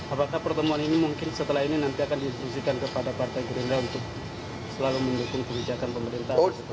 apakah pertemuan ini mungkin setelah ini nanti akan diinstruksikan kepada partai gerindra untuk selalu mendukung kebijakan pemerintah